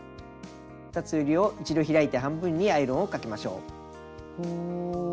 ２つえりを一度開いて半分にアイロンをかけましょう。